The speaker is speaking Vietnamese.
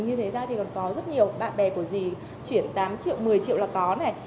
như thế ra thì còn có rất nhiều bạn bè của dì chuyển tám triệu một mươi triệu là có này